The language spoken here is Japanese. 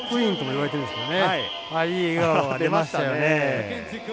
いい笑顔が出ましたね。